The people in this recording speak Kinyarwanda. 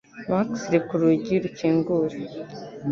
Max reka urugi rukingure